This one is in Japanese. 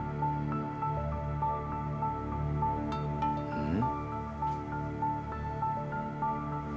うん？